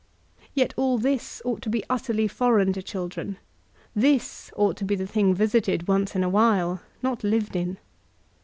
Yet all this ought to be utterly foreign to children* This ought to be the diing visited once in a while, not lived in.